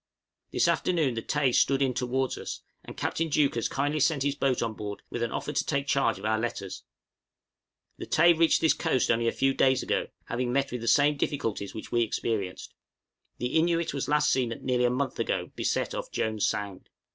This afternoon the 'Tay' stood in towards us, and Captain Deuchars kindly sent his boat on board with an offer to take charge of our letters. The 'Tay' reached this coast only a few days ago, having met with the same difficulties which we experienced. The 'Innuit' was last seen nearly a month ago beset off Jones' Sound.